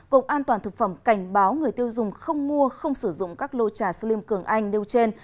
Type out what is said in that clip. cục an toàn thực phẩm cảnh báo người tiêu dùng không mua không sử dụng các lô trà slim cường anh nêu trên